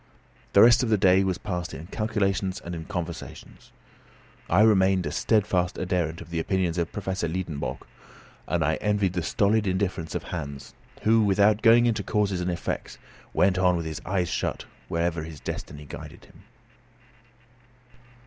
The rest of the day was passed in calculations and in conversations. I remained a steadfast adherent of the opinions of Professor Liedenbrock, and I envied the stolid indifference of Hans, who, without going into causes and effects, went on with his eyes shut wherever his destiny guided him.